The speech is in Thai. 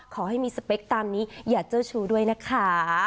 ขอให้มีสเปคตามนี้อย่าเจ้าชู้ด้วยนะคะ